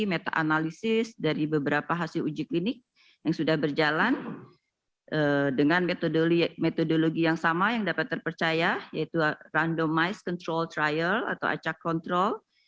meta analisis dari beberapa hasil uji klinik yang sudah berjalan dengan metodologi yang sama yang dapat terpercaya yaitu randomise control trial atau acak control